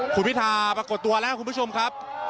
คุณพิธาปรากฏตัวแล้วคุณผู้ชมครับ